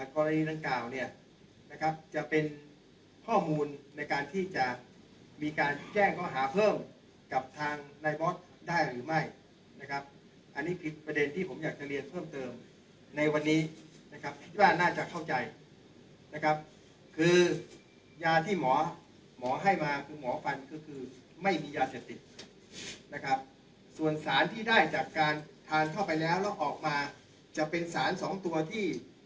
กรณีดังกล่าวเนี่ยนะครับจะเป็นข้อมูลในการที่จะมีการแจ้งข้อหาเพิ่มกับทางนายบอสได้หรือไม่นะครับอันนี้คือประเด็นที่ผมอยากจะเรียนเพิ่มเติมในวันนี้นะครับคิดว่าน่าจะเข้าใจนะครับคือยาที่หมอหมอให้มาคือหมอฟันก็คือไม่มียาเสพติดนะครับส่วนสารที่ได้จากการทานเข้าไปแล้วแล้วออกมาจะเป็นสารสองตัวที่